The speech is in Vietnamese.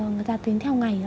người ta tiến theo ngày ạ